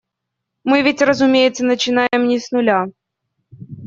Мы ведь, разумеется, начинаем не с нуля.